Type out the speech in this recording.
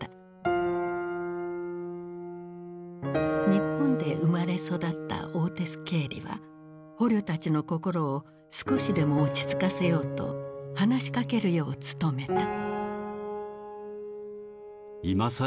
日本で生まれ育ったオーテス・ケーリは捕虜たちの心を少しでも落ち着かせようと話しかけるよう努めた。